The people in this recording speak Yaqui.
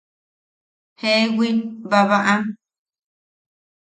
–Jewi, babaʼam.